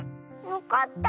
わかった。